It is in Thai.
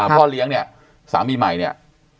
พ่อเลี้ยงเนี่ยสามีใหม่เนี่ย